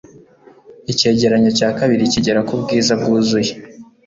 icyegeranyo cya kabiri kigera kubwiza bwuzuye